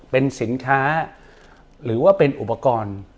เป็นสินค้าหรือว่าเป็นอุปกรณ์